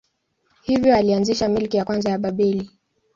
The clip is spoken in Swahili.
Hivyo alianzisha milki ya kwanza ya Babeli.